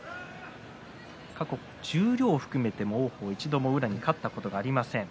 過去、十両を含めても王鵬は一度も宇良に勝ったことがありません。